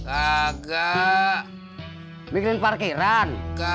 agak bikin parkiran